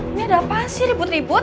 ini ada apaan sih ribut ribut